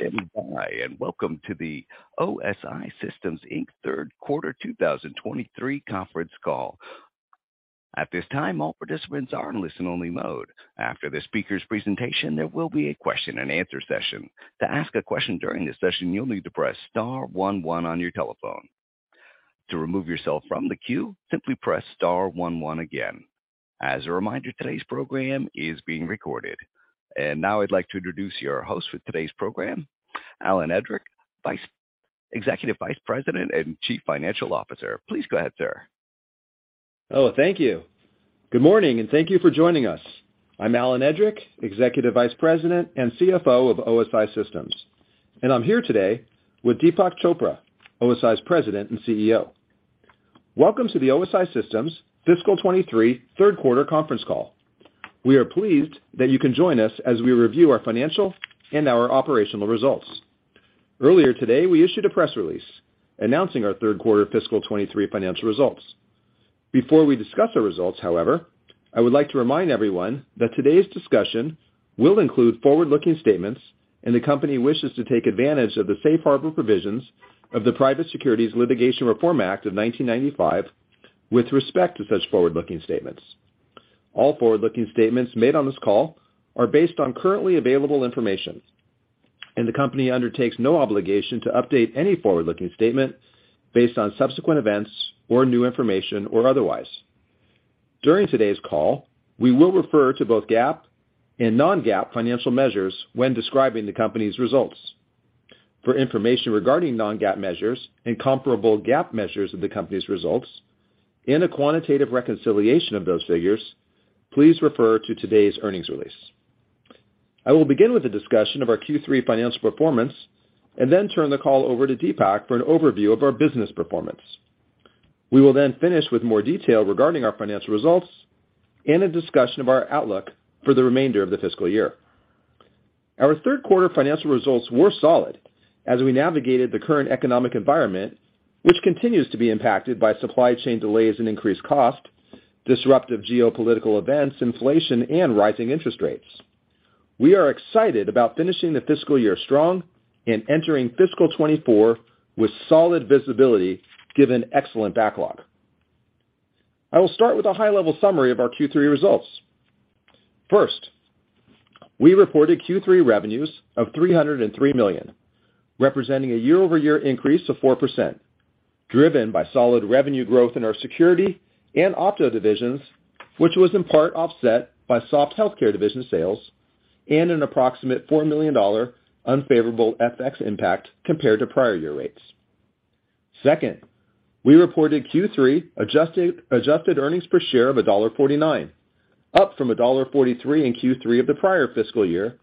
Thank you for standing by, welcome to the OSI Systems, Inc. 3rd quarter 2023 conference call. At this time, all participants are in listen-only mode. After the speaker's presentation, there will be a question-and-answer session. To ask a question during this session, you'll need to press star one one on your telephone. To remove yourself from the queue, simply press star one one again. As a reminder, today's program is being recorded. Now I'd like to introduce your host for today's program, Alan Edrick, Executive Vice President and Chief Financial Officer. Please go ahead, sir. Thank you. Good morning, and thank you for joining us. I'm Alan Edrick, Executive Vice President and CFO of OSI Systems. I'm here today with Deepak Chopra, OSI's President and CEO. Welcome to the OSI Systems Fiscal 2023 3rd quarter conference call. We are pleased that you can join us as we review our financial and our operational results. Earlier today, we issued a press release announcing our 3rd quarter fiscal 2023 financial results. Before we discuss the results, however, I would like to remind everyone that today's discussion will include forward-looking statements. The company wishes to take advantage of the safe harbor provisions of the Private Securities Litigation Reform Act of 1995 with respect to such forward-looking statements. All forward-looking statements made on this call are based on currently available information, and the company undertakes no obligation to update any forward-looking statement based on subsequent events or new information or otherwise. During today's call, we will refer to both GAAP and non-GAAP financial measures when describing the company's results. For information regarding non-GAAP measures and comparable GAAP measures of the company's results and a quantitative reconciliation of those figures, please refer to today's earnings release. I will begin with a discussion of our Q3 financial performance and then turn the call over to Deepak for an overview of our business performance. We will finish with more detail regarding our financial results and a discussion of our outlook for the remainder of the fiscal year. Our third quarter financial results were solid as we navigated the current economic environment, which continues to be impacted by supply chain delays and increased cost, disruptive geopolitical events, inflation, and rising interest rates. We are excited about finishing the fiscal year strong and entering fiscal 2024 with solid visibility, given excellent backlog. I will start with a high-level summary of our Q3 results. First, we reported Q3 revenues of $303 million, representing a year-over-year increase of 4%, driven by solid revenue growth in our security and opto divisions, which was in part offset by soft healthcare division sales and an approximate $4 million unfavorable FX impact compared to prior year rates. Second, we reported Q3 adjusted earnings per share of $1.49, up from $1.43 in Q3 of the prior fiscal year,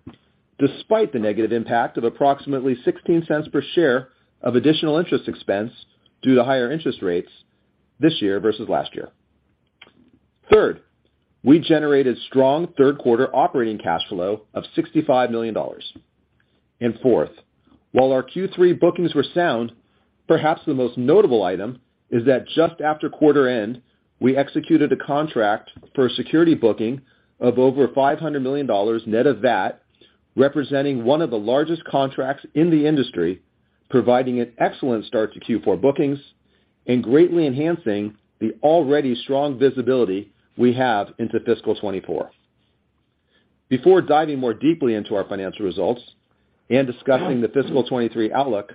despite the negative impact of approximately $0.16 per share of additional interest expense due to higher interest rates this year versus last year. Third, we generated strong third-quarter operating cash flow of $65 million. Fourth, while our Q3 bookings were sound, perhaps the most notable item is that just after quarter end, we executed a contract for a security booking of over $500 million net of VAT, representing one of the largest contracts in the industry, providing an excellent start to Q4 bookings and greatly enhancing the already strong visibility we have into fiscal 2024. Before diving more deeply into our financial results and discussing the fiscal 2023 outlook,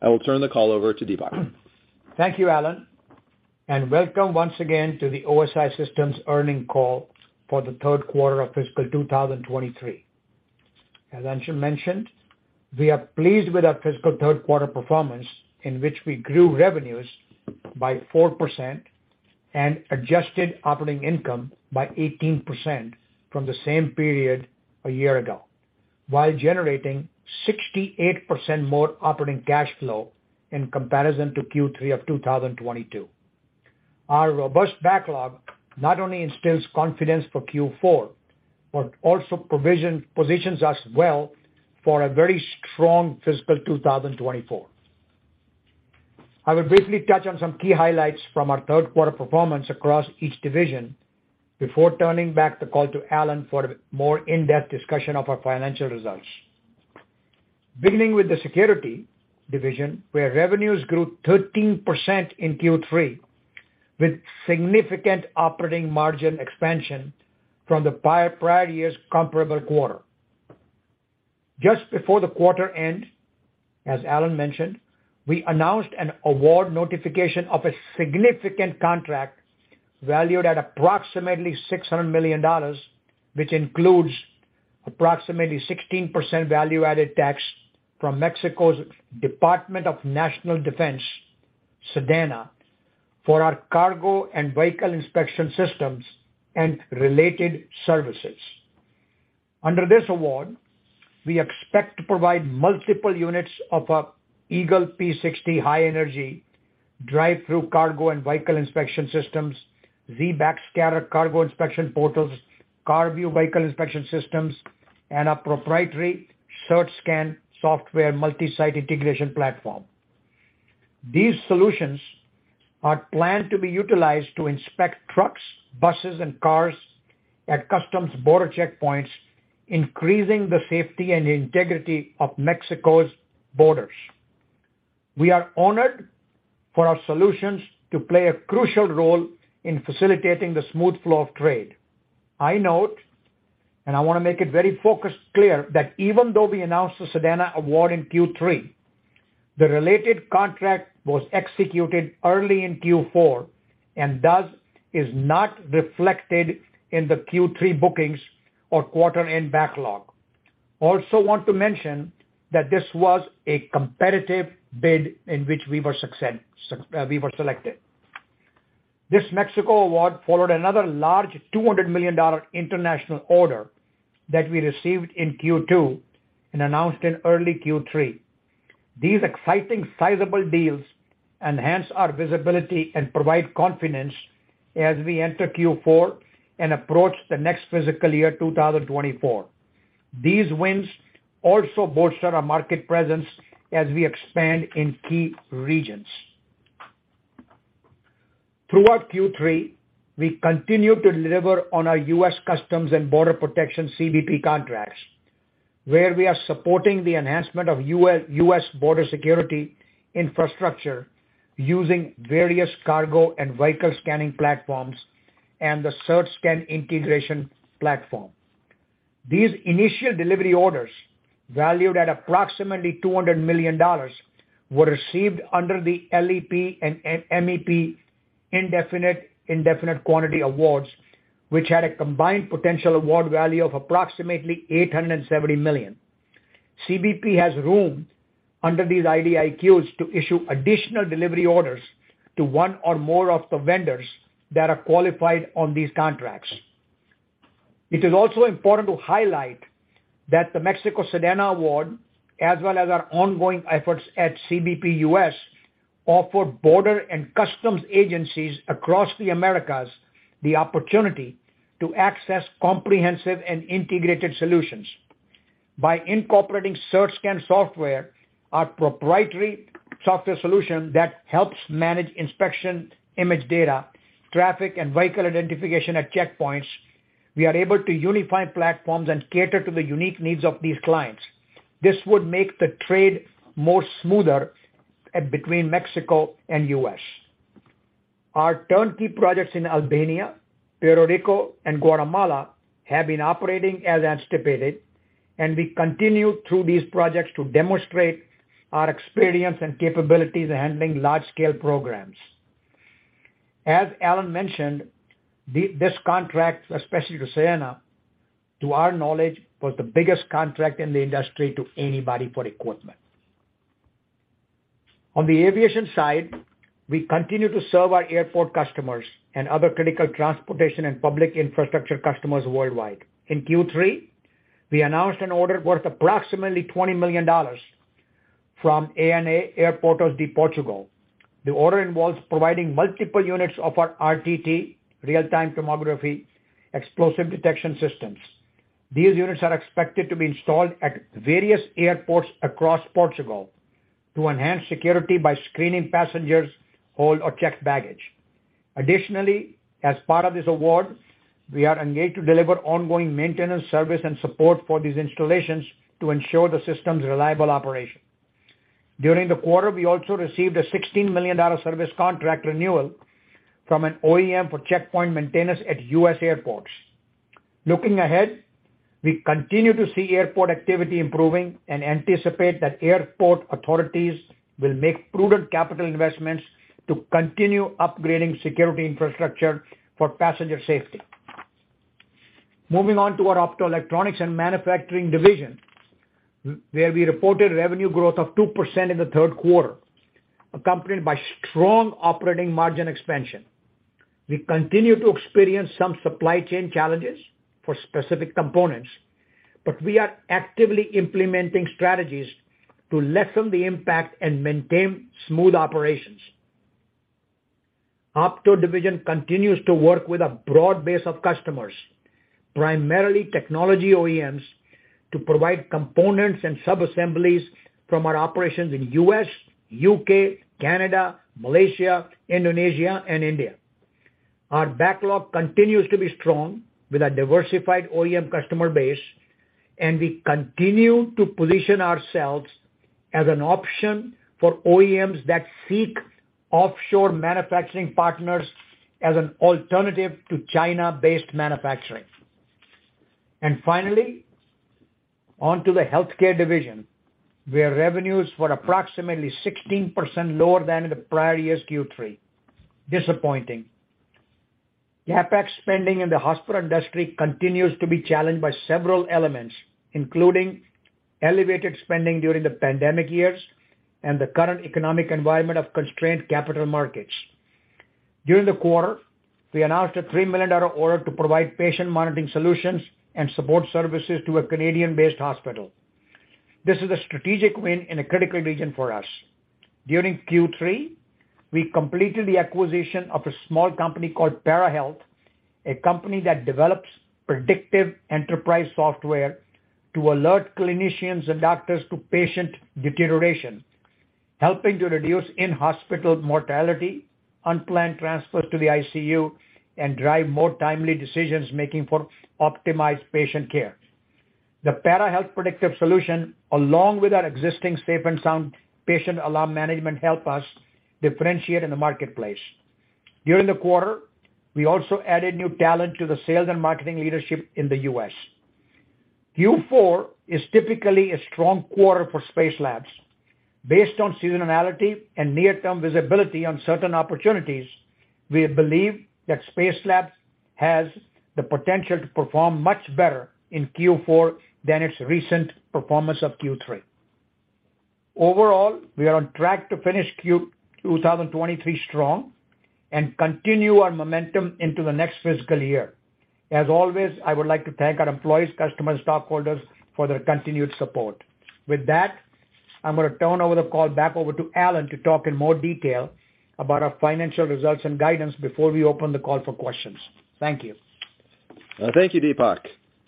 I will turn the call over to Deepak. Thank you, Alan. Welcome once again to the OSI Systems earnings call for the third quarter of fiscal 2023. As Alan mentioned, we are pleased with our fiscal third quarter performance, in which we grew revenues by 4% and adjusted operating income by 18% from the same period a year ago, while generating 68% more operating cash flow in comparison to Q3 of 2022. Our robust backlog not only instills confidence for Q4 but also positions us well for a very strong fiscal 2024. I will briefly touch on some key highlights from our third quarter performance across each division before turning back the call to Alan for a more in-depth discussion of our financial results. Beginning with the security division, where revenues grew 13% in Q3 with significant operating margin expansion from the prior year's comparable quarter. Just before the quarter end, as Alan mentioned, we announced an award notification of a significant contract valued at approximately $600 million, which includes approximately 16% value-added tax from Mexico's Department of National Defense, SEDENA, for our cargo and vehicle inspection systems and related services. Under this award, we expect to provide multiple units of our Eagle P60 high-energy drive-through cargo and vehicle inspection systems, Z Backscatter cargo inspection portals, CarView vehicle inspection systems, and our proprietary CertScan software multi-site integration platform. These solutions are planned to be utilized to inspect trucks, buses, and cars at customs border checkpoints, increasing the safety and integrity of Mexico's borders. We are honored for our solutions to play a crucial role in facilitating the smooth flow of trade. I note, and I wanna make it very focused clear, that even though we announced the SEDENA award in Q3, the related contract was executed early in Q4 and thus is not reflected in the Q3 bookings or quarter end backlog. Also want to mention that this was a competitive bid in which we were selected. This Mexico award followed another large $200 million international order that we received in Q2 and announced in early Q3. These exciting sizable deals enhance our visibility and provide confidence as we enter Q4 and approach the next fiscal year, 2024. These wins also bolster our market presence as we expand in key regions. Throughout Q3, we continued to deliver on our US Customs and Border Protection CBP contracts, where we are supporting the enhancement of U.S. border security infrastructure using various cargo and vehicle scanning platforms and the CertScan integration platform. These initial delivery orders, valued at approximately $200 million, were received under the LEP and MEP indefinite quantity awards, which had a combined potential award value of approximately $870 million. CBP has room under these IDIQs to issue additional delivery orders to one or more of the vendors that are qualified on these contracts. It is also important to highlight that the Mexico SEDENA award, as well as our ongoing efforts at CBP U.S., offer border and customs agencies across the Americas the opportunity to access comprehensive and integrated solutions. By incorporating CertScan software, our proprietary software solution that helps manage inspection, image data, traffic, and vehicle identification at checkpoints, we are able to unify platforms and cater to the unique needs of these clients. This would make the trade more smoother between Mexico and U.S.. Our turnkey projects in Albania, Puerto Rico, and Guatemala have been operating as anticipated, and we continue through these projects to demonstrate our experience and capabilities in handling large-scale programs. As Alan mentioned, this contract, especially to SEDENA, to our knowledge, was the biggest contract in the industry to anybody for equipment. On the aviation side, we continue to serve our airport customers and other critical transportation and public infrastructure customers worldwide. In Q3, we announced an order worth approximately $20 million from ANA Aeroportos de Portugal. The order involves providing multiple units of our RTT, real-time tomography, explosive detection systems. These units are expected to be installed at various airports across Portugal to enhance security by screening passengers whole or checked baggage. As part of this award, we are engaged to deliver ongoing maintenance, service, and support for these installations to ensure the system's reliable operation. During the quarter, we also received a $16 million service contract renewal from an OEM for checkpoint maintenance at U.S. airports. Looking ahead, we continue to see airport activity improving and anticipate that airport authorities will make prudent capital investments to continue upgrading security infrastructure for passenger safety. Moving on to our optoelectronics and manufacturing division, where we reported revenue growth of 2% in the third quarter, accompanied by strong operating margin expansion. We continue to experience some supply chain challenges for specific components, but we are actively implementing strategies to lessen the impact and maintain smooth operations. Opto division continues to work with a broad base of customers, primarily technology OEMs, to provide components and sub-assemblies from our operations in U.S., U.K., Canada, Malaysia, Indonesia, and India. Our backlog continues to be strong with a diversified OEM customer base. We continue to position ourselves as an option for OEMs that seek offshore manufacturing partners as an alternative to China-based manufacturing. Finally, on to the healthcare division, where revenues were approximately 16% lower than in the prior year's Q3. Disappointing. CapEx spending in the hospital industry continues to be challenged by several elements, including elevated spending during the pandemic years and the current economic environment of constrained capital markets. During the quarter, we announced a $3 million order to provide patient monitoring solutions and support services to a Canadian-based hospital. This is a strategic win in a critical region for us. During Q3, we completed the acquisition of a small company called PeraHealth, a company that develops predictive enterprise software to alert clinicians and doctors to patient deterioration, helping to reduce in-hospital mortality, unplanned transfers to the ICU, and drive more timely decisions making for optimized patient care. The PeraHealth predictive solution, along with our existing Safe and Sound patient alarm management, help us differentiate in the marketplace. During the quarter, we also added new talent to the sales and marketing leadership in the U.S. Q4 is typically a strong quarter for Spacelabs. Based on seasonality and near-term visibility on certain opportunities, we believe that Spacelabs has the potential to perform much better in Q4 than its recent performance of Q3. Overall, we are on track to finish Q-2023 strong and continue our momentum into the next fiscal year. As always, I would like to thank our employees, customers, stockholders for their continued support. With that, I'm gonna turn over the call back over to Alan to talk in more detail about our financial results and guidance before we open the call for questions. Thank you. Thank you, Deepak.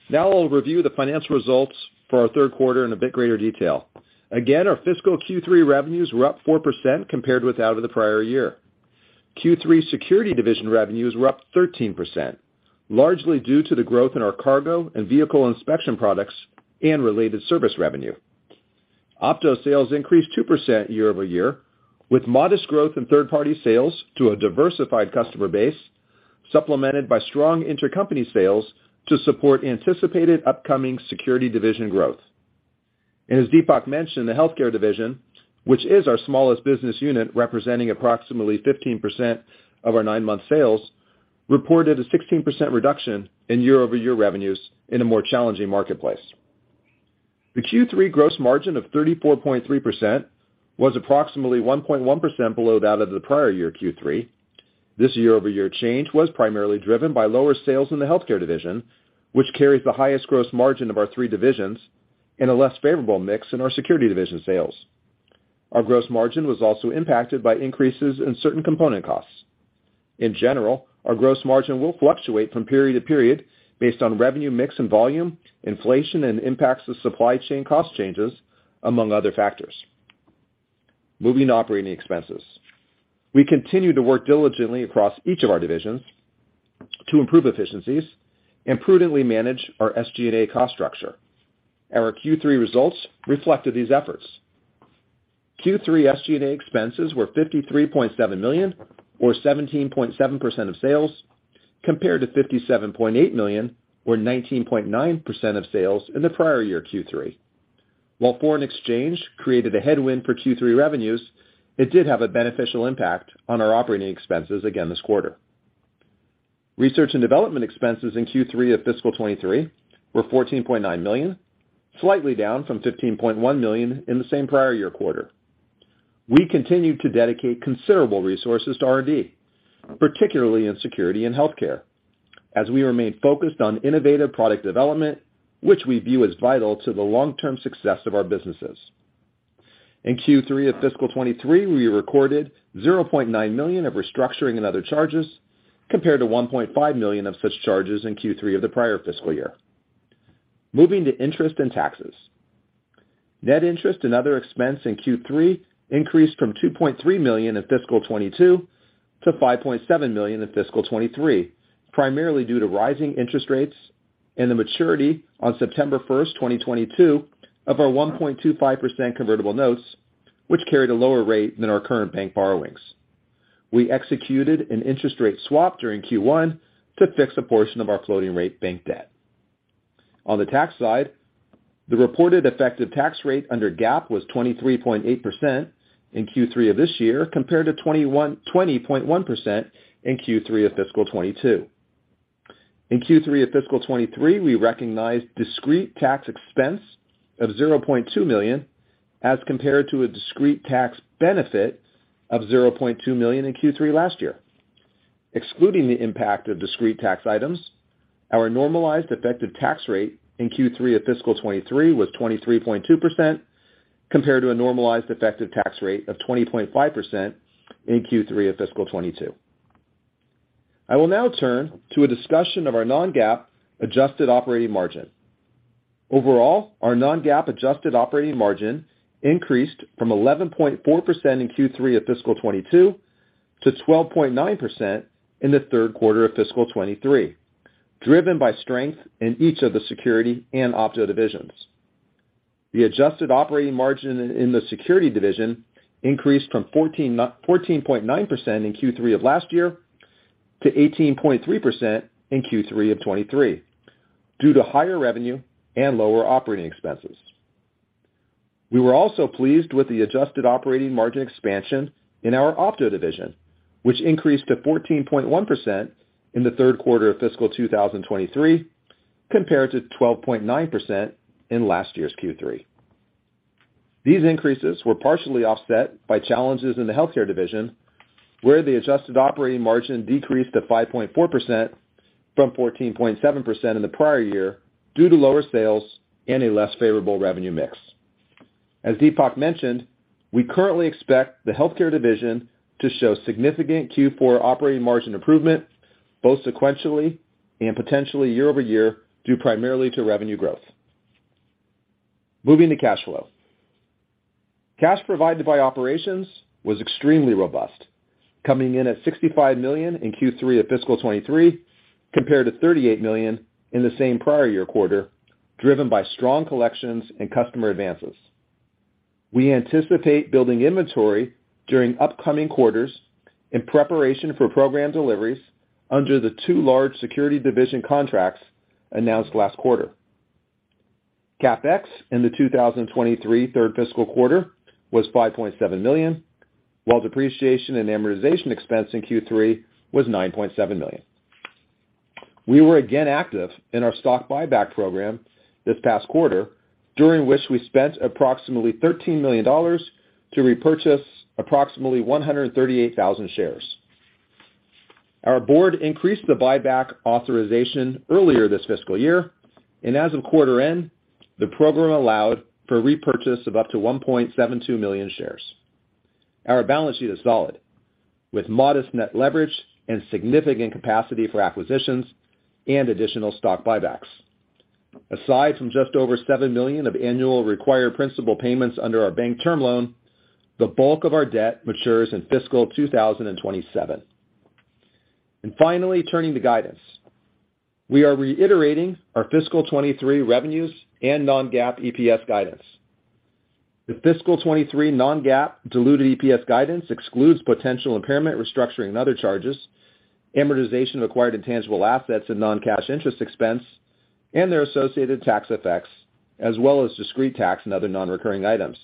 Now I'll review the financial results for our third quarter in a bit greater detail. Again, our fiscal Q3 revenues were up 4% compared with that of the prior year. Q3 Security division revenues were up 13%, largely due to the growth in our cargo and vehicle inspection products and related service revenue. Opto sales increased 2% year-over-year, with modest growth in third-party sales to a diversified customer base, supplemented by strong intercompany sales to support anticipated upcoming Security division growth. As Deepak mentioned, the Healthcare division, which is our smallest business unit, representing approximately 15% of our nine-month sales, reported a 16% reduction in year-over-year revenues in a more challenging marketplace. The Q3 gross margin of 34.3% was approximately 1.1% below that of the prior year Q3. This year-over-year change was primarily driven by lower sales in the Healthcare division, which carries the highest gross margin of our three divisions, and a less favorable mix in our Security division sales. Our gross margin was also impacted by increases in certain component costs. In general, our gross margin will fluctuate from period to period based on revenue mix and volume, inflation, and impacts to supply chain cost changes, among other factors. Moving to operating expenses. We continue to work diligently across each of our divisions to improve efficiencies and prudently manage our SG&A cost structure. Our Q3 results reflected these efforts. Q3 SG&A expenses were $53.7 million or 17.7% of sales, compared to $57.8 million or 19.9% of sales in the prior year Q3. While foreign exchange created a headwind for Q3 revenues, it did have a beneficial impact on our operating expenses again this quarter. Research and development expenses in Q3 of fiscal 2023 were $14.9 million, slightly down from $15.1 million in the same prior year quarter. We continued to dedicate considerable resources to R&D, particularly in Security and Healthcare, as we remain focused on innovative product development, which we view as vital to the long-term success of our businesses. In Q3 of fiscal 2023, we recorded $0.9 million of restructuring and other charges, compared to $1.5 million of such charges in Q3 of the prior fiscal year. Moving to interest and taxes. Net interest and other expense in Q3 increased from $2.3 million in fiscal 2022 to $5.7 million in fiscal 2023, primarily due to rising interest rates and the maturity on September first, twenty twenty-two of our 1.25% convertible notes, which carried a lower rate than our current bank borrowings. We executed an interest rate swap during Q1 to fix a portion of our floating rate bank debt. On the tax side, the reported effective tax rate under GAAP was 23.8% in Q3 of this year, compared to 20.1% in Q3 of fiscal 2022. In Q3 of fiscal 2023, we recognized discrete tax expense of $0.2 million as compared to a discrete tax benefit of $0.2 million in Q3 last year. Excluding the impact of discrete tax items, our normalized effective tax rate in Q3 of fiscal 2023 was 23.2% compared to a normalized effective tax rate of 20.5% in Q3 of fiscal 2022. I will now turn to a discussion of our non-GAAP adjusted operating margin. Overall, our non-GAAP adjusted operating margin increased from 11.4% in Q3 of fiscal 2022 to 12.9% in the third quarter of fiscal 2023, driven by strength in each of the Security and Opto divisions. The adjusted operating margin in the Security division increased from 14.9% in Q3 of last year to 18.3% in Q3 of 2023 due to higher revenue and lower operating expenses. We were also pleased with the adjusted operating margin expansion in our Opto division, which increased to 14.1% in the 3rd quarter of fiscal 2023, compared to 12.9% in last year's Q3. These increases were partially offset by challenges in the Healthcare division, where the adjusted operating margin decreased to 5.4% from 14.7% in the prior year due to lower sales and a less favorable revenue mix. As Deepak mentioned, we currently expect the Healthcare division to show significant Q4 operating margin improvement, both sequentially and potentially year-over-year, due primarily to revenue growth. Moving to cash flow. Cash provided by operations was extremely robust, coming in at $65 million in Q3 of fiscal 2023, compared to $38 million in the same prior year quarter, driven by strong collections and customer advances. We anticipate building inventory during upcoming quarters in preparation for program deliveries under the two large security division contracts announced last quarter. CapEx in the 2023 3rd fiscal quarter was $5.7 million, while depreciation and amortization expense in Q3 was $9.7 million. We were again active in our stock buyback program this past quarter, during which we spent approximately $13 million to repurchase approximately 138,000 shares. Our board increased the buyback authorization earlier this fiscal year, and as of quarter end, the program allowed for repurchase of up to 1.72 million shares. Our balance sheet is solid, with modest net leverage and significant capacity for acquisitions and additional stock buybacks. Aside from just over $7 million of annual required principal payments under our bank term loan, the bulk of our debt matures in fiscal 2027. Finally, turning to guidance. We are reiterating our fiscal 2023 revenues and non-GAAP EPS guidance. The fiscal 2023 non-GAAP diluted EPS guidance excludes potential impairment, restructuring and other charges, amortization of acquired intangible assets and non-cash interest expense, and their associated tax effects, as well as discrete tax and other non-recurring items.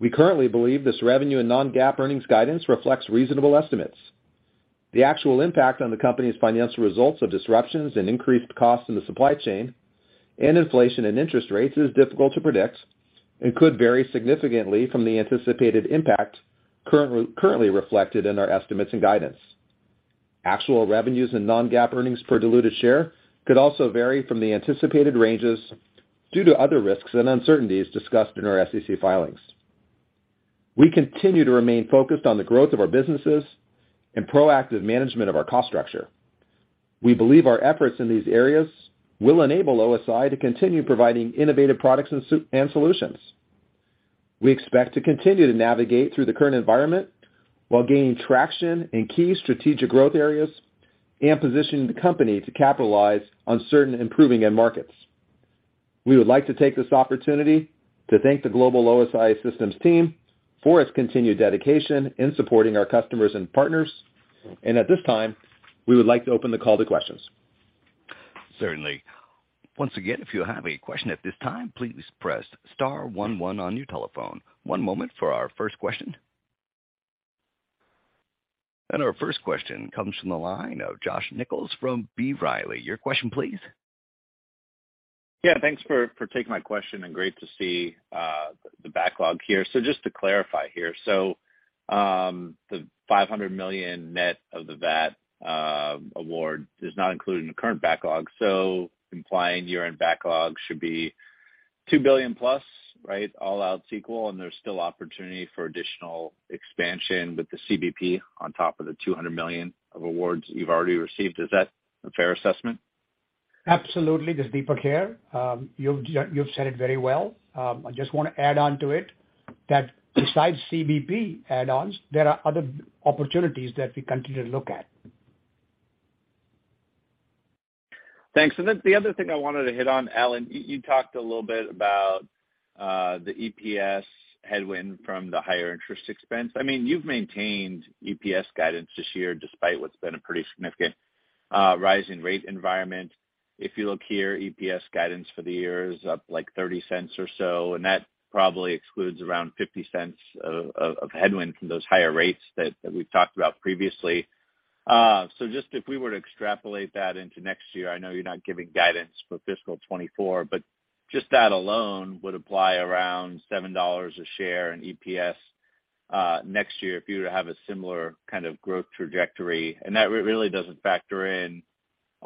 We currently believe this revenue and non-GAAP earnings guidance reflects reasonable estimates. The actual impact on the company's financial results of disruptions and increased costs in the supply chain and inflation and interest rates is difficult to predict and could vary significantly from the anticipated impact currently reflected in our estimates and guidance. Actual revenues and non-GAAP earnings per diluted share could also vary from the anticipated ranges due to other risks and uncertainties discussed in our SEC filings. We continue to remain focused on the growth of our businesses and proactive management of our cost structure. We believe our efforts in these areas will enable OSI to continue providing innovative products and solutions. We expect to continue to navigate through the current environment while gaining traction in key strategic growth areas and positioning the company to capitalize on certain improving end markets. We would like to take this opportunity to thank the global OSI Systems team for its continued dedication in supporting our customers and partners. At this time, we would like to open the call to questions. Certainly. Once again, if you have a question at this time, please press star one one on your telephone. One moment for our first question. Our first question comes from the line of Josh Nichols from B. Riley. Your question, please. Yeah, thanks for taking my question and great to see the backlog here. Just to clarify here. The $500 million net of the VAT award is not included in the current backlog, so implying year-end backlog should be $2 billion+, right? All else equal and there's still opportunity for additional expansion with the CBP on top of the $200 million of awards you've already received. Is that a fair assessment? Absolutely. This is Deepak here. you've said it very well. I just wanna add on to it that besides CBP add-ons, there are other opportunities that we continue to look at. Thanks. The other thing I wanted to hit on, Alan, you talked a little bit about the EPS headwind from the higher interest expense. I mean, you've maintained EPS guidance this year despite what's been a pretty significant rise in rate environment. If you look here, EPS guidance for the year is up like $0.30 or so, and that probably excludes around $0.50 of headwind from those higher rates that we've talked about previously. So just if we were to extrapolate that into next year, I know you're not giving guidance for fiscal 2024, but just that alone would apply around $7 a share in EPS next year if you were to have a similar kind of growth trajectory. That really doesn't factor in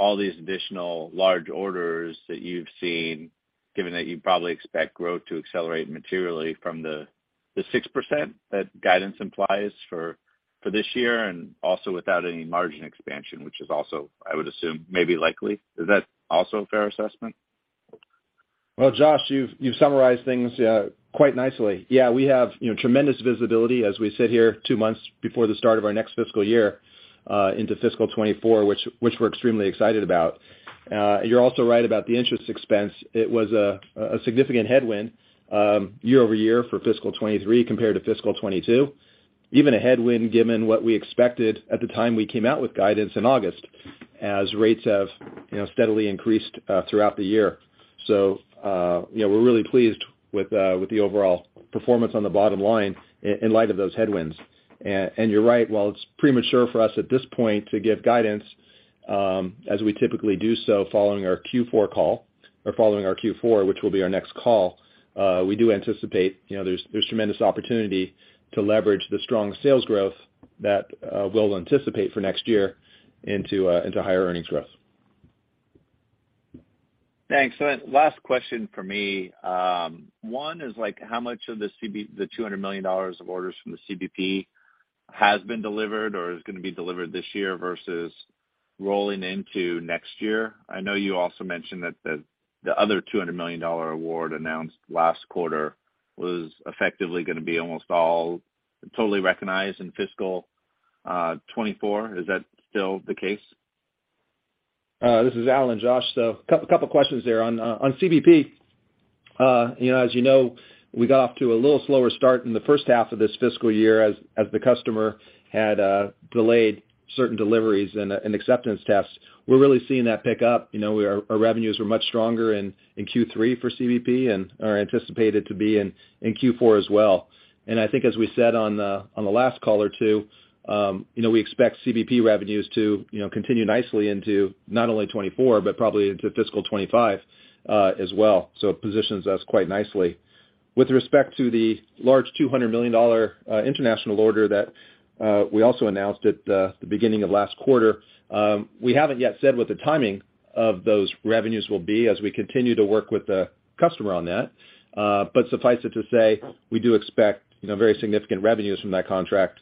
all these additional large orders that you've seen, given that you probably expect growth to accelerate materially from the 6% that guidance implies for this year and also without any margin expansion, which is also, I would assume, maybe likely. Is that also a fair assessment? Well, Josh, you've summarized things quite nicely. Yeah, we have, you know, tremendous visibility as we sit here two months before the start of our next fiscal year into fiscal 2024, which we're extremely excited about. You're also right about the interest expense. It was a significant headwind year-over-year for fiscal 2023 compared to fiscal 2022. Even a headwind given what we expected at the time we came out with guidance in August, as rates have, you know, steadily increased throughout the year. You know, we're really pleased with the overall performance on the bottom line in light of those headwinds. You're right. While it's premature for us at this point to give guidance, as we typically do so following our Q4, which will be our next call, we do anticipate, you know, there's tremendous opportunity to leverage the strong sales growth that we'll anticipate for next year into higher earnings growth. Thanks. Last question for me. One is like how much of the $200 million of orders from the CBP has been delivered or is gonna be delivered this year versus rolling into next year? I know you also mentioned that the other $200 million award announced last quarter was effectively gonna be almost all totally recognized in fiscal 2024. Is that still the case? This is Alan, Josh. A couple of questions there. On CBP, you know, as you know, we got off to a little slower start in the first half of this fiscal year as the customer had delayed certain deliveries and acceptance tests. We're really seeing that pick up. You know, our revenues were much stronger in Q3 for CBP and are anticipated to be in Q4 as well. I think as we said on the last call or two, you know, we expect CBP revenues to, you know, continue nicely into not only 2024, but probably into fiscal 2025 as well. It positions us quite nicely. With respect to the large $200 million international order that we also announced at the beginning of last quarter, we haven't yet said what the timing of those revenues will be as we continue to work with the customer on that. Suffice it to say, we do expect, you know, very significant revenues from that contract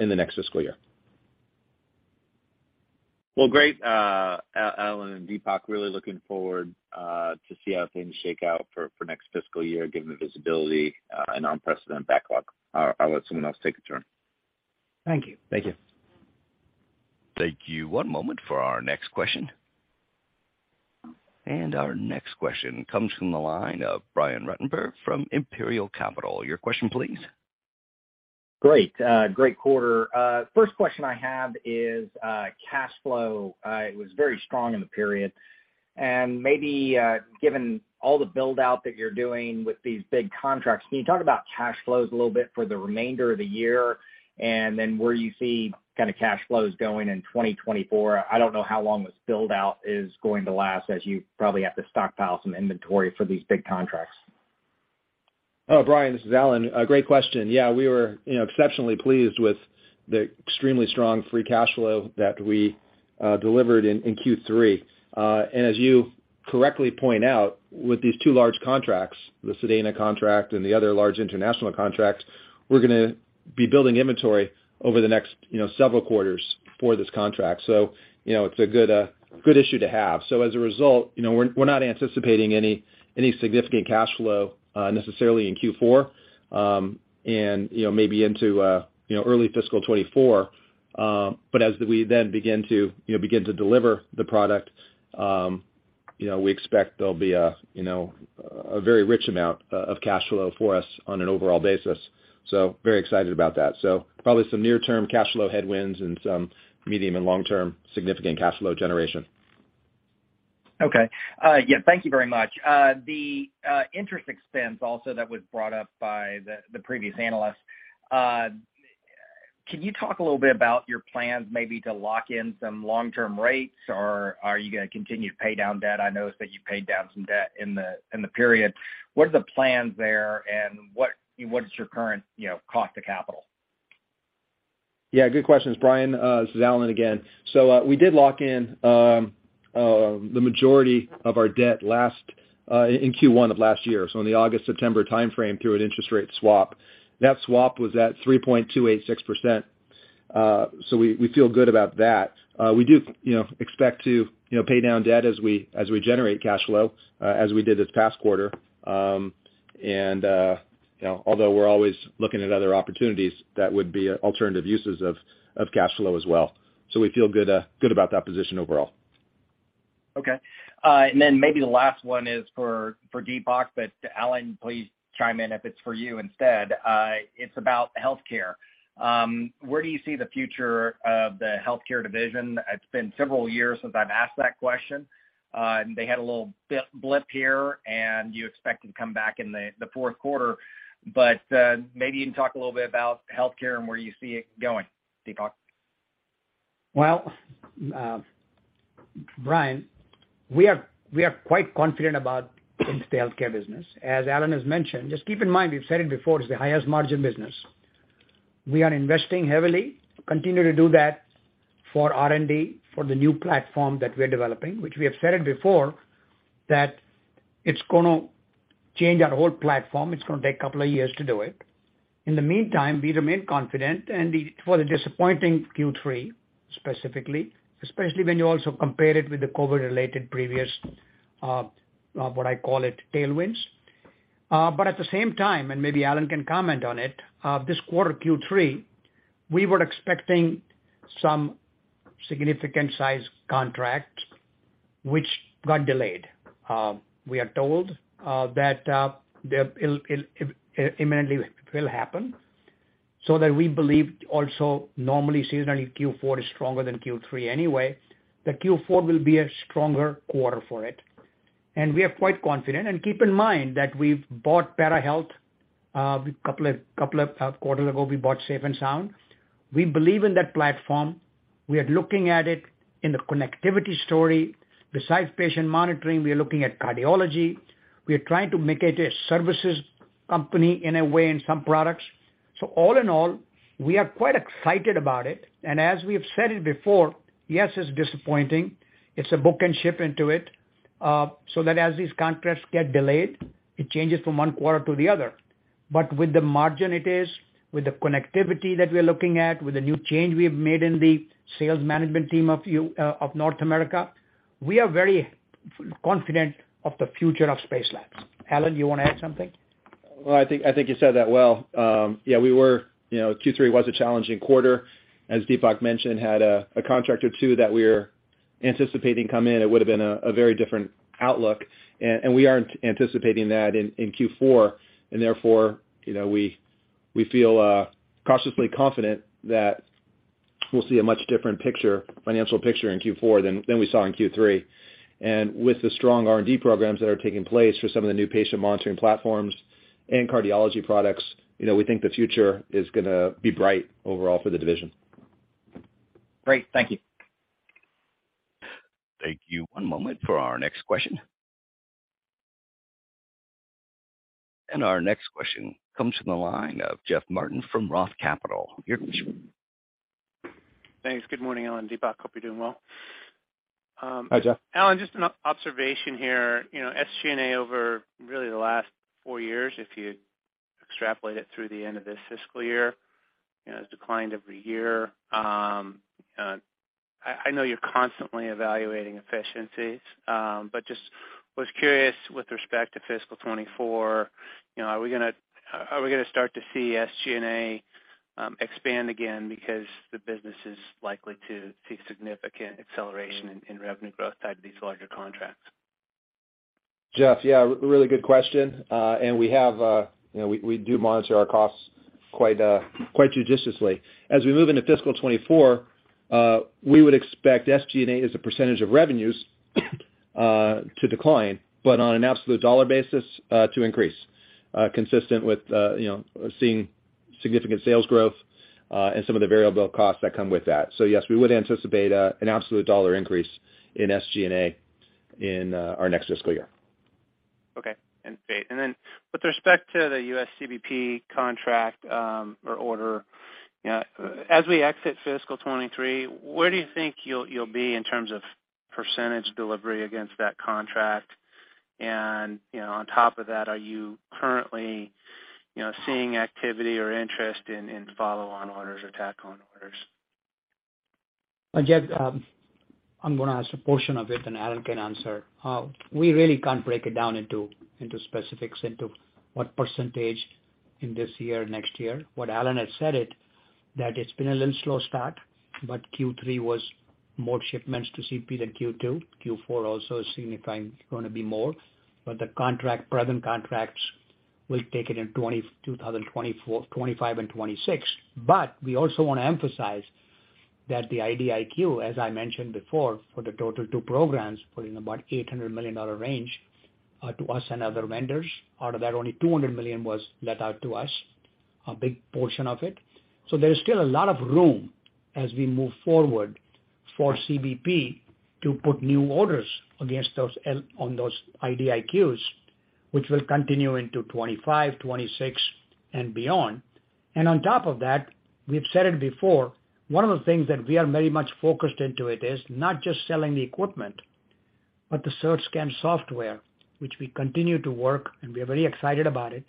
in the next fiscal year. Well, great. Alan and Deepak, really looking forward to see how things shake out for next fiscal year, given the visibility and unprecedented backlog. I'll let someone else take a turn. Thank you. Thank you. Thank you. One moment for our next question. Our next question comes from the line of Brian Ruttenbur from Imperial Capital. Your question please. Great. Great quarter. First question I have is, cash flow. It was very strong in the period. Maybe, given all the build-out that you're doing with these big contracts, can you talk about cash flows a little bit for the remainder of the year and then where you see kinda cash flows going in 2024? I don't know how long this build-out is going to last, as you probably have to stockpile some inventory for these big contracts. Brian, this is Alan. Great question. Yeah, we were, you know, exceptionally pleased with the extremely strong free cash flow that we delivered in Q3. As you correctly point out, with these two large contracts, the SEDENA contract and the other large international contract, we're gonna be building inventory over the next, you know, several quarters for this contract. You know, it's a good issue to have. As a result, you know, we're not anticipating any significant cash flow necessarily in Q4, and, you know, maybe into, you know, early fiscal 2024. As we then begin to, you know, begin to deliver the product, you know, we expect there'll be a, you know, a very rich amount of cash flow for us on an overall basis. Very excited about that. Probably some near term cash flow headwinds and some medium and long-term significant cash flow generation. Okay. Yeah, thank you very much. The interest expense also that was brought up by the previous analyst, can you talk a little bit about your plans maybe to lock in some long-term rates? Or are you gonna continue to pay down debt? I noticed that you paid down some debt in the period. What are the plans there, and what is your current, you know, cost to capital? Yeah, good questions, Brian. This is Alan again. We did lock in the majority of our debt last in Q1 of last year, so in the August-September timeframe through an interest rate swap. That swap was at 3.286%. We feel good about that. We do, you know, expect to, you know, pay down debt as we generate cash flow, as we did this past quarter. You know, although we're always looking at other opportunities, that would be alternative uses of cash flow as well. We feel good about that position overall. Okay. Then maybe the last one is for Deepak, but Alan, please chime in if it's for you instead. It's about healthcare. Where do you see the future of the healthcare division? It's been several years since I've asked that question. They had a little blip here, and you expect to come back in the fourth quarter. Maybe you can talk a little bit about healthcare and where you see it going, Deepak. Brian, we are quite confident about the healthcare business. As Alan has mentioned, just keep in mind, we've said it before, it's the highest margin business. We are investing heavily, continue to do that for R&D, for the new platform that we're developing, which we have said it before, that it's gonna change our whole platform. It's gonna take a couple of years to do it. In the meantime, we remain confident and it was a disappointing Q3, specifically, especially when you also compare it with the COVID-related previous, what I call it, tailwinds. At the same time, and maybe Alan can comment on it, this quarter, Q3, we were expecting some significant size contract which got delayed. We are told that it imminently will happen. We believe also normally seasonally Q4 is stronger than Q3 anyway, that Q4 will be a stronger quarter for it. We are quite confident. Keep in mind that we've bought PeraHealth a couple of quarter ago, we bought Safe and Sound. We believe in that platform. We are looking at it in the connectivity story. Besides patient monitoring, we are looking at cardiology. We are trying to make it a services company in a way in some products. All in all, we are quite excited about it. As we have said it before, yes, it's disappointing. It's a book and ship into it. As these contracts get delayed, it changes from one quarter to the other. With the margin it is, with the connectivity that we're looking at, with the new change we have made in the sales management team of North America, we are very confident of the future of Spacelabs. Alan, you wanna add something? Well, I think you said that well. Yeah, you know, Q3 was a challenging quarter. As Deepak mentioned, had a contract or two that we were anticipating come in, it would have been a very different outlook. We aren't anticipating that in Q4, and therefore, you know, we feel cautiously confident that we'll see a much different picture, financial picture in Q4 than we saw in Q3. With the strong R&D programs that are taking place for some of the new patient monitoring platforms and cardiology products, you know, we think the future is gonna be bright overall for the division. Great. Thank you. Thank you. One moment for our next question. Our next question comes from the line of Jeff Martin from Roth Capital. You can share. Thanks. Good morning, Alan, Deepak. Hope you're doing well. Hi, Jeff. Alan, just an observation here. You know, SG&A over really the last four years, if you extrapolate it through the end of this fiscal year, you know, has declined every year. I know you're constantly evaluating efficiencies, but just was curious with respect to fiscal 2024, you know, are we gonna start to see SG&A, expand again because the business is likely to see significant acceleration in revenue growth tied to these larger contracts? Jeff, yeah, really good question. We have, you know, we do monitor our costs quite judiciously. As we move into fiscal 2024, we would expect SG&A, as a % of revenues, to decline, on an absolute dollar basis, to increase, consistent with, you know, seeing significant sales growth, some of the variable costs that come with that. Yes, we would anticipate an absolute dollar increase in SG&A in our next fiscal year. Okay. Great. Then with respect to the CBP contract, or order, you know, as we exit fiscal 2023, where do you think you'll be in terms of percentage delivery against that contract? You know, on top of that, are you currently, you know, seeing activity or interest in follow-on orders or tack-on orders? Well, Jeff, I'm gonna answer a portion of it, and Alan can answer. We really can't break it down into specifics into what percentage in this year, next year. What Alan has said it, that it's been a little slow start, but Q3 was more shipments to CBP than Q2. Q4 also signifying gonna be more. The contract, present contracts will take it in 2024, 2025 and 2026. We also wanna emphasize that the IDIQ, as I mentioned before, for the total two programs, putting about a $800 million range, to us and other vendors, out of that, only $200 million was let out to us, a big portion of it. There is still a lot of room as we move forward for CBP to put new orders against those on those IDIQs, which will continue into 2025, 2026 and beyond. On top of that, we've said it before, one of the things that we are very much focused into it is not just selling the equipment, but the CertScan software, which we continue to work, and we are very excited about it.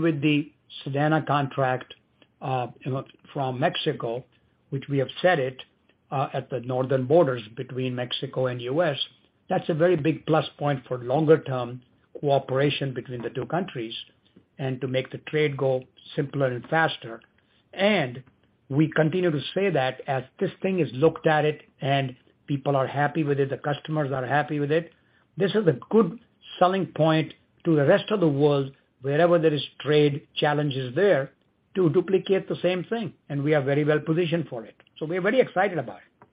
With the SEDENA contract, you know, from Mexico, which we have said it, at the northern borders between Mexico and U.S., that's a very big plus point for longer-term cooperation between the two countries and to make the trade go simpler and faster. We continue to say that as this thing is looked at it and people are happy with it, the customers are happy with it, this is a good selling point to the rest of the world, wherever there is trade challenges there, to duplicate the same thing, and we are very well positioned for it. We are very excited about it.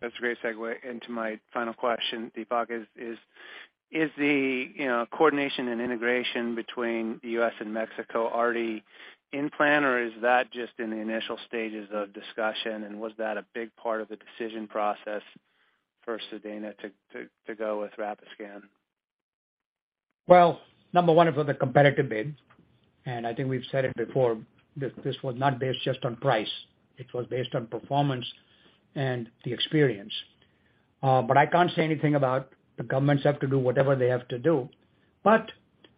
That's a great segue into my final question, Deepak. Is the, you know, coordination and integration between U.S. and Mexico already in plan, or is that just in the initial stages of discussion? Was that a big part of the decision process for SEDENA to go with Rapiscan? Number one, it was a competitive bid, I think we've said it before, this was not based just on price. It was based on performance and the experience. I can't say anything about... The governments have to do whatever they have to do.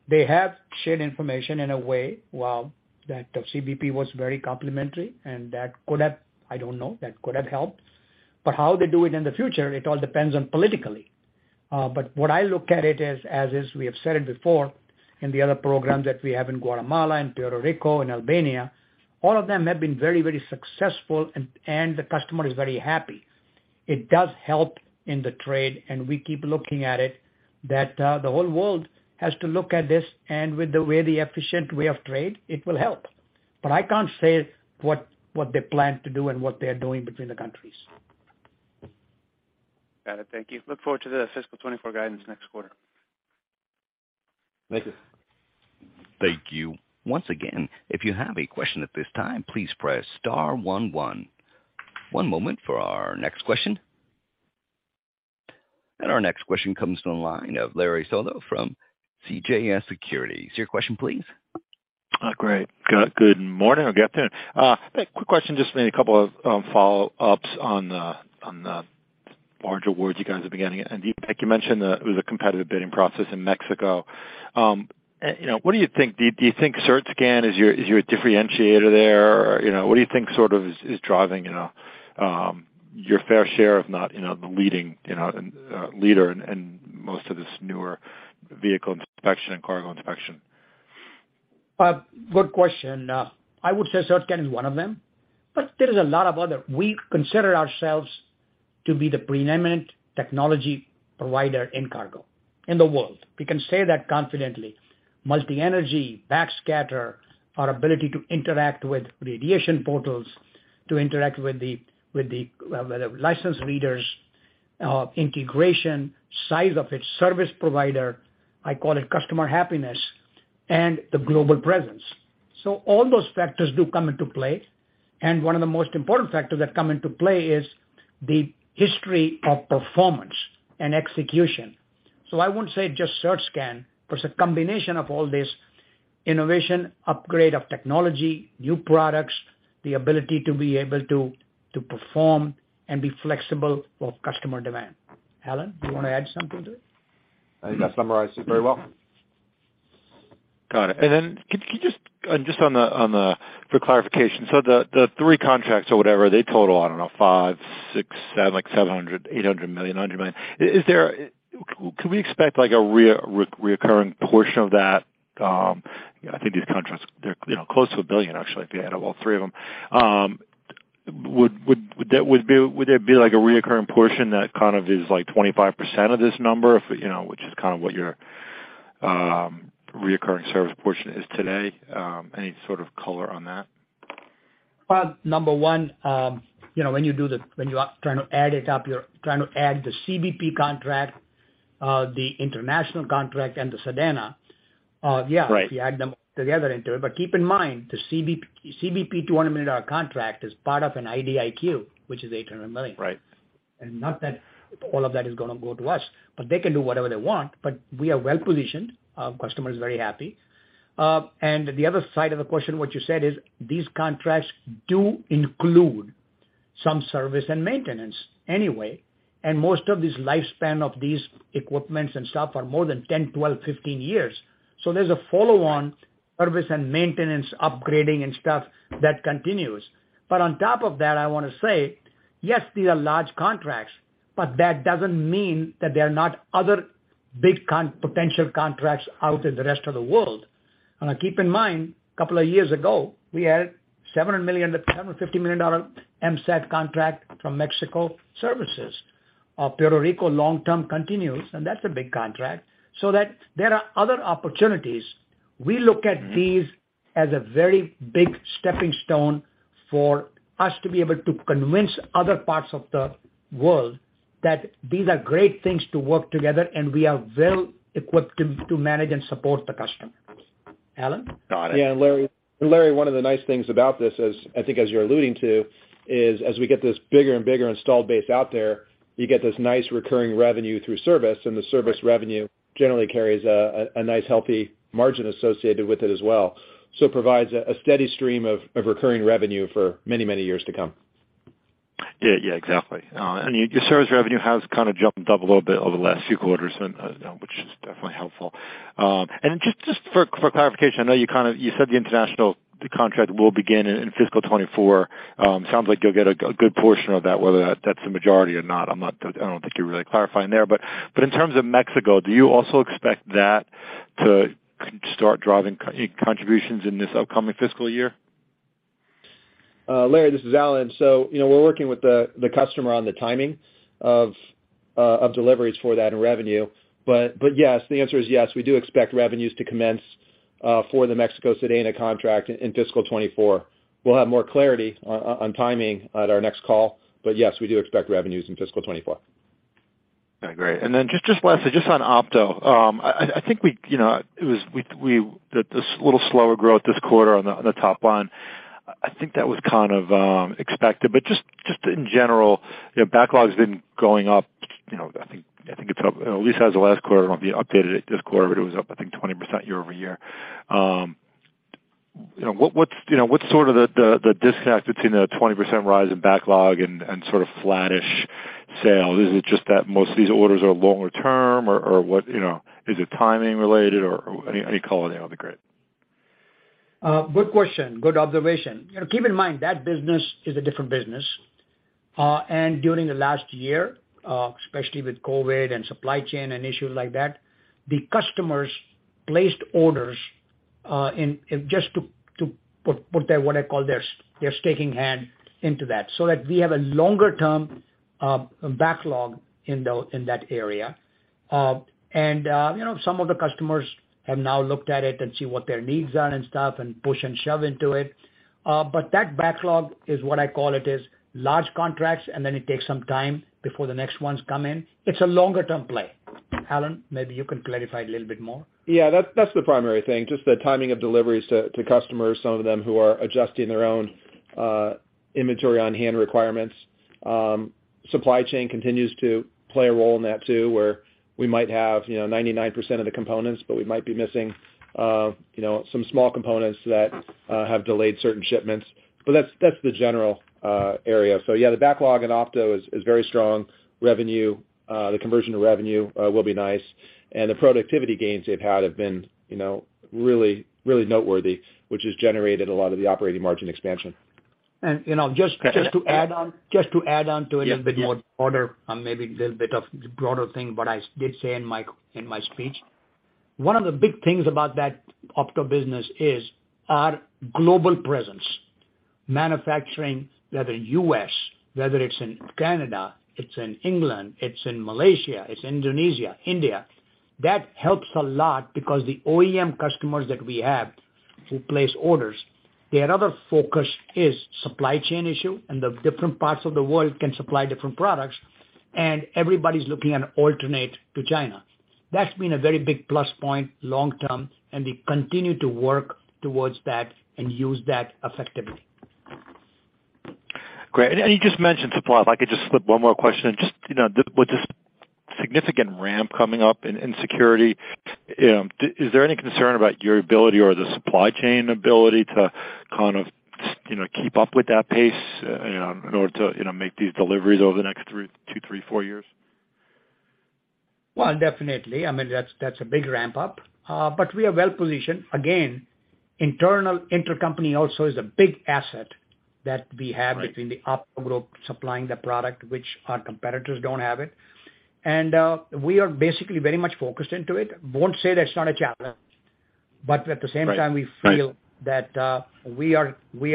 They have shared information in a way, well, that the CBP was very complimentary and that could have, I don't know, that could have helped. How they do it in the future, it all depends on politically. What I look at it is, as we have said it before in the other programs that we have in Guatemala and Puerto Rico and Albania, all of them have been very, very successful and the customer is very happy. It does help in the trade, and we keep looking at it, that the whole world has to look at this and with the way the efficient way of trade, it will help. I can't say what they plan to do and what they are doing between the countries. Got it. Thank you. Look forward to the fiscal 2024 guidance next quarter. Thank you. Thank you. Once again, if you have a question at this time, please press star one one. One moment for our next question. Our next question comes from the line of Larry Solow from CJS Securities. Your question, please. Great. Good morning. I'll get to it. Quick question. Just maybe a couple of follow-ups on the large awards you guys are beginning. Deepak, you mentioned that it was a competitive bidding process in Mexico. You know, what do you think? Do you think CertScan is your differentiator there? Or, you know, what do you think sort of is driving, you know, your fair share, if not, you know, the leading, you know, leader in most of this newer vehicle inspection and cargo inspection? Good question. I would say CertScan is one of them, but there is a lot of other. We consider ourselves to be the preeminent technology provider in cargo in the world. We can say that confidently. Multi-energy, backscatter, our ability to interact with radiation portals, to interact with the, with the license plate readers, integration, size of its service provider, I call it customer happiness, and the global presence. All those factors do come into play. One of the most important factors that come into play is the history of performance and execution. I wouldn't say just CertScan, but it's a combination of all this innovation, upgrade of technology, new products, the ability to be able to perform and be flexible for customer demand. Alan, do you wanna add something to it? I think that summarizes it very well. Got it. Can you just on the for clarification, so the three contracts or whatever, they total, I don't know, five, six, seven like $700 million, $800 million, $900 million? Could we expect like a reoccurring portion of that? I think these contracts, they're, you know, close to $1 billion, actually, if you add up all three of them. Would there be like a reoccurring portion that kind of is like 25% of this number, if, you know, which is kind of what your reoccurring service portion is today? Any sort of color on that? Number one, you know, when you are trying to add it up, you're trying to add the CBP contract, the international contract and the SEDENA. Yeah. Right. If you add them together into it. Keep in mind, the CBP $200 million contract is part of an IDIQ, which is $800 million. Right. Not that all of that is gonna go to us, but they can do whatever they want. We are well positioned, our customer is very happy. The other side of the question, what you said is these contracts do include some service and maintenance anyway, and most of these lifespan of these equipments and stuff are more than 10, 12, 15 years. There's a follow-on service and maintenance, upgrading and stuff that continues. On top of that, I wanna say, yes, these are large contracts, but that doesn't mean that there are not other big potential contracts out in the rest of the world. Keep in mind, couple of years ago, we had a $700 million-$750 million SAT contract from Mexico services. Puerto Rico long-term continues, and that's a big contract. That there are other opportunities. We look at these as a very big stepping stone for us to be able to convince other parts of the world that these are great things to work together, and we are well equipped to manage and support the customers. Alan? Got it. Yeah. Larry, one of the nice things about this is, I think as you're alluding to, is as we get this bigger and bigger installed base out there, you get this nice recurring revenue through service, and the service revenue generally carries a nice healthy margin associated with it as well. It provides a steady stream of recurring revenue for many, many years to come. Yeah. Yeah, exactly. Your service revenue has kinda jumped up a little bit over the last few quarters and, you know, which is definitely helpful. Just for clarification, I know you kinda said the international contract will begin in fiscal 2024. Sounds like you'll get a good portion of that, whether that's the majority or not. I don't think you're really clarifying there. In terms of Mexico, do you also expect that to start driving contributions in this upcoming fiscal year? Larry, this is Alan. you know, we're working with the customer on the timing of deliveries for that and revenue. But yes, the answer is yes. We do expect revenues to commence for the Mexico-SEDENA contract in fiscal 2024. We'll have more clarity on timing at our next call, but yes, we do expect revenues in fiscal 2024. Okay, great. Then just lastly, just on Opto. I think we, you know, this little slower growth this quarter on the top line, I think that was kind of expected. Just in general, you know, backlog's been going up, you know, I think it's up, at least as of last quarter. I don't know if you updated it this quarter, but it was up, I think, 20% year-over-year. You know, what's, you know, what's sort of the disconnect between the 20% rise in backlog and sort of flattish sales? Is it just that most of these orders are longer term? Or what, you know, is it timing related or any color there would be great. Good question. Good observation. You know, keep in mind, that business is a different business. During the last year, especially with COVID and supply chain and issues like that, the customers placed orders in, just to put their, what I call their, staking hand into that, so that we have a longer term backlog in that area. You know, some of the customers have now looked at it and see what their needs are and stuff, and push and shove into it. That backlog is what I call it is large contracts, and then it takes some time before the next ones come in. It's a longer-term play. Alan, maybe you can clarify a little bit more. Yeah, that's the primary thing, just the timing of deliveries to customers, some of them who are adjusting their own inventory on-hand requirements. Supply chain continues to play a role in that too, where we might have, you know, 99% of the components, but we might be missing, you know, some small components that have delayed certain shipments. That's the general area. Yeah, the backlog in Opto is very strong. Revenue, the conversion to revenue, will be nice. The productivity gains they've had have been, you know, really noteworthy, which has generated a lot of the operating margin expansion. You know, just to add on to it a bit more broader, maybe a little bit of broader thing, what I did say in my speech. One of the big things about that Opto business is our global presence. Manufacturing, whether U.S., whether it's in Canada, it's in England, it's in Malaysia, it's Indonesia, India, that helps a lot because the OEM customers that we have who place orders, their other focus is supply chain issue, and the different parts of the world can supply different products, and everybody's looking at alternate to China. That's been a very big plus point long term, and we continue to work towards that and use that effectively. Great. You just mentioned supply. If I could just slip one more question, just, you know, with this significant ramp coming up in security, is there any concern about your ability or the supply chain ability to kind of, you know, keep up with that pace, you know, in order to, you know, make these deliveries over the next three, two, three, four years? Well, definitely. I mean, that's a big ramp-up. We are well-positioned. Again, internal intercompany also is a big asset that we have between the Opto group supplying the product, which our competitors don't have it. We are basically very much focused into it. Won't say that it's not a challenge, but at the same time, we feel that we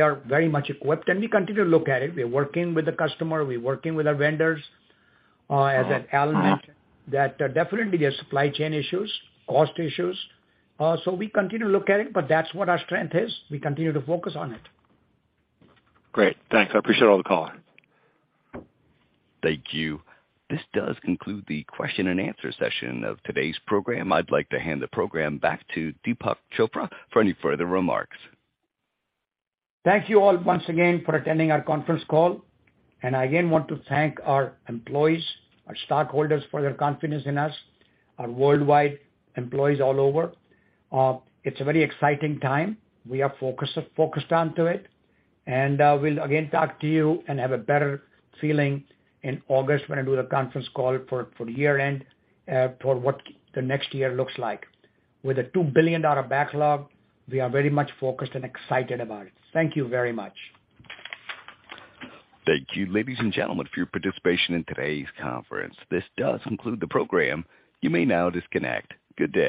are very much equipped, and we continue to look at it. We're working with the customer, we're working with our vendors, as Alan mentioned, that definitely there's supply chain issues, cost issues. We continue to look at it, but that's what our strength is. We continue to focus on it. Great. Thanks. I appreciate all the color. Thank you. This does conclude the question and answer session of today's program. I'd like to hand the program back to Deepak Chopra for any further remarks. Thank you all once again for attending our conference call. I again want to thank our employees, our stockholders for their confidence in us, our worldwide employees all over. It's a very exciting time. We are focused onto it. We'll again talk to you and have a better feeling in August when I do the conference call for the year-end toward what the next year looks like. With a $2 billion backlog, we are very much focused and excited about it. Thank you very much. Thank you, ladies and gentlemen, for your participation in today's conference. This does conclude the program. You may now disconnect. Good day.